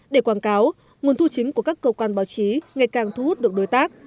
để quảng cáo nguồn thu chính của các cơ quan báo chí ngày càng thu hút được đối tác